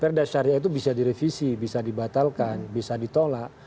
perda syariah itu bisa direvisi bisa dibatalkan bisa ditolak